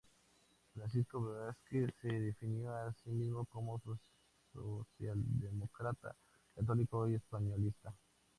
Francisco Vázquez se definió a sí mismo como "socialdemócrata, católico y españolista".